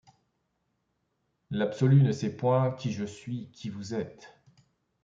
L’absolu ne sait point qui je suis, qui vous êtes.